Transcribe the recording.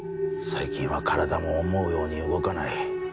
最近は体も思うように動かない。